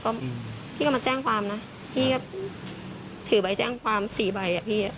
ก็พี่ก็มาแจ้งความนะพี่ก็ถือใบแจ้งความสี่ใบอ่ะพี่